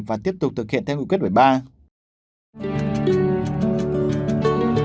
và tiếp tục thực hiện theo nguyên quyết đổi ba